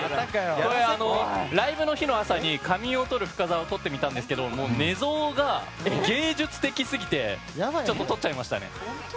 ライブの日の朝に仮眠をとる深澤を撮ってみたんですけど寝相が芸術的すぎて撮っちゃいました。